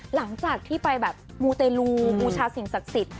หลังจากที่ไปมูเตลูมูชาเสียงศักดิ์สิทธิ์